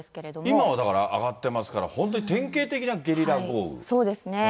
今はだから上がってますから、そうですね。